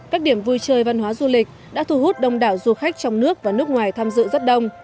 các điểm vui chơi văn hóa du lịch đã thu hút đông đảo du khách trong nước và nước ngoài tham dự rất đông